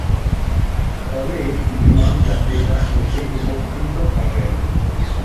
ফলে বিমান যাত্রীরা এতে উপকৃত হবেন।